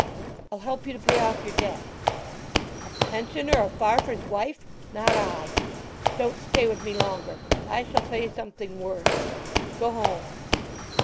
"I'll help you to pay off your debt." "A pensioner of Farfrae's wife—not I! Don't stay with me longer—I shall say something worse. Go home!"